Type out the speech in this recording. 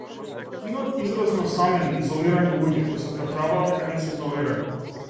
Имаат израз на осамени, изолирани луѓе, кои се преправаат дека не се изолирани.